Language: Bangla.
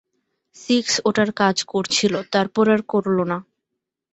সিক্স ওর কাজটা করছিল, তারপর আর করল না।